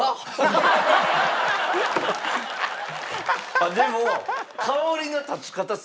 あっでも。